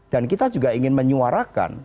dan kita juga ingin menyuarakan